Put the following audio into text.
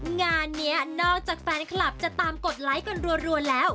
งานนี้นอกจากแฟนคลับจะตามกดไลค์กันรัวแล้ว